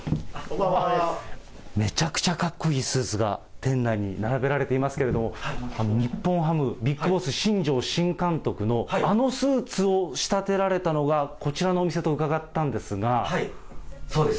めちゃくちゃかっこいいスーツが店内に並べられていますけれども、日本ハムビッグボス、新庄新監督のあのスーツを仕立てられたのがこちらのお店とうかがそうです。